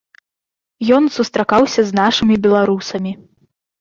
Ён сустракаўся з нашымі беларусамі.